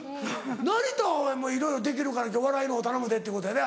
成田はいろいろできるからお笑いのほう頼むでってことやで。